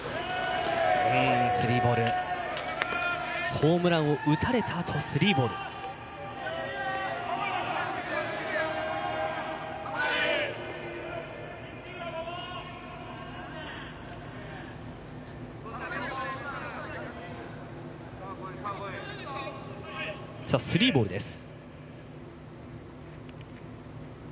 ホームランを打たれたあとスリーボール、マウンド上は板東です。